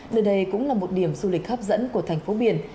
nơi đây cũng là một điểm du lịch hấp dẫn của thành phố biển